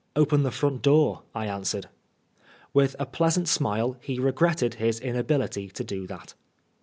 " Open the front door," I answered. With a pleasant smile he regretted his inability to do that.